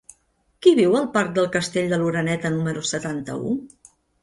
Qui viu al parc del Castell de l'Oreneta número setanta-u?